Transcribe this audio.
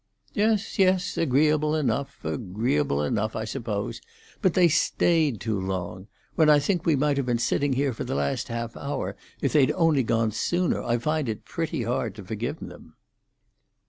"Yes, yes; agreeable enough—agreeable enough, I suppose. But they stayed too long. When I think we might have been sitting here for the last half hour, if they'd only gone sooner, I find it pretty hard to forgive them."